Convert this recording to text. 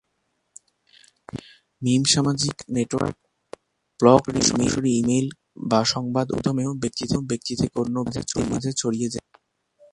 মিম সামাজিক network, blog, সরাসরি email বা সংবাদ উৎসের মাধ্যমেও ব্যক্তি থেকে অন্য ব্যক্তির মাঝে ছড়িয়ে যেতে পারে।